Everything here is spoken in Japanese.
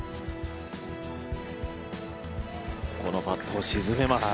このパットを沈めます。